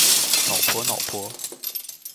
脑婆脑婆